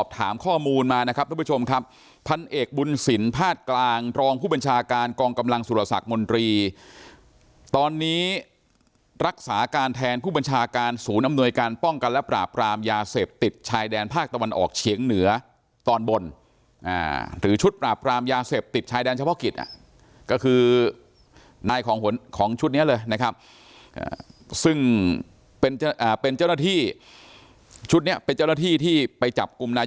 ท่านผู้ชมครับท่านเอกบุญสินภาษกลางรองผู้บัญชาการกองกำลังสุรสักมนตรีตอนนี้รักษาการแทนผู้บัญชาการศูนย์อำนวยการป้องกันและปราบรามยาเสพติดชายแดนภาคตะวันออกเฉียงเหนือตอนบนอ่าหรือชุดปราบรามยาเสพติดชายแดนเฉพาะกิจอ่ะก็คือนายของของชุดเนี้ยเลยนะครับอ่าซึ่งเป็นเป็นเจ้